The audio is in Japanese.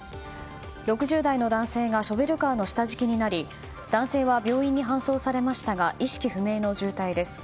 ６０代の男性がショベルカーの下敷きになり男性は病院に搬送されましたが意識不明の重体です。